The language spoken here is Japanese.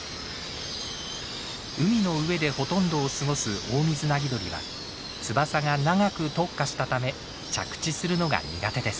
海の上でほとんどを過ごすオオミズナギドリは翼が長く特化したため着地するのが苦手です。